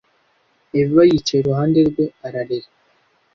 eva yicaye iruhande rwe ararira